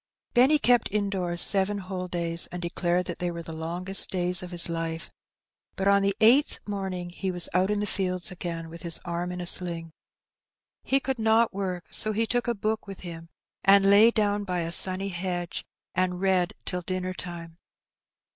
Benny kept indoors seven whole days, and declared that they were the longest days of his life. But on the eighth morning he was out in the fields again with his arm in a sling. He could not work, so he took a book with him and lay down by a sunny hedge, and read till dinner time.